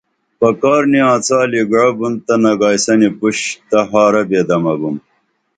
پکار نی آڅالی گعئو بُن نگائیسنی پُش تہ ہارہ بے دمہ بُم